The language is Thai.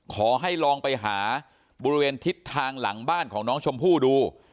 ขอให้ลองไปหาบริเวณทิศทางหลังบ้านของน้องชมพู่ดู